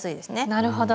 なるほど。